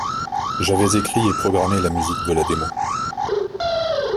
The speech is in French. J'avais écrit et programmé la musique de la démo.